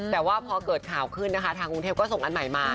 แต่ว่าพอเกิดข่าวขึ้นนะคะทางกรุงเทพก็ส่งอันใหม่มา